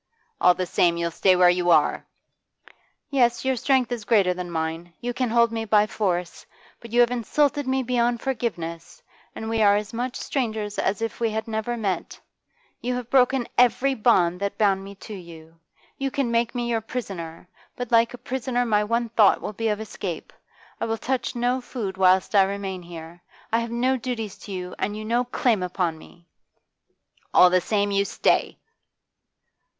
'All the same, you'll stay where you are!' 'Yes, your strength is greater than mine. You can hold me by force. But you have insulted me beyond forgiveness, and we are as much strangers as if we had never met. You have broken every bond that bound me to you. You can make me your prisoner, but like a prisoner my one thought will be of escape. I will touch no food whilst I remain here. I have no duties to you, and you no claim upon me!' 'All the same, you stay!